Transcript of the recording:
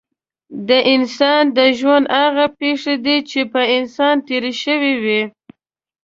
د انسان د ژوند هغه پېښې دي چې په انسان تېرې شوې وي.